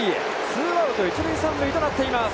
ツーアウト、一塁三塁となっています。